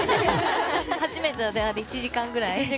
初めての電話で１時間ぐらい。